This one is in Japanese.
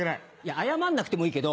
謝んなくてもいいけど。